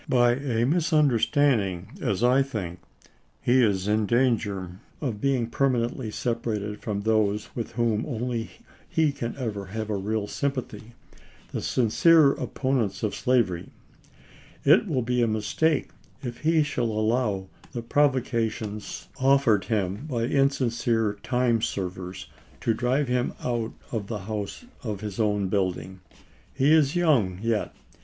By a misunderstand ing, as I think, he is in danger of being permanently sep arated from those with whom only he can ever have a real sympathy — the sincere opponents of slavery. It will be a mistake if he shall allow the provocations offered THE DEFEAT OF THE PEACE PARTY AT THE POLLS 393 him by insincere time servers to drive him out of the ch. xiii. house of his own building. He is young yet.